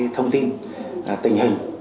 thông tin tình hình